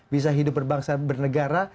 bisa hidup berbangsa bernegara